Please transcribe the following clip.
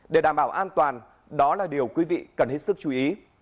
để đảm bảo an toàn đó là điều quý vị cần hết sức chú ý